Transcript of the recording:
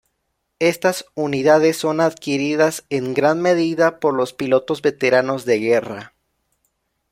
Estas unidades son adquiridas en gran medida por los pilotos veteranos de guerra.